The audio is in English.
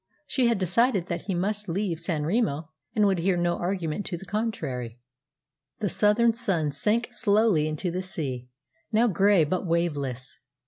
She had decided that he must leave San Remo, and would hear no argument to the contrary. The southern sun sank slowly into the sea, now grey but waveless.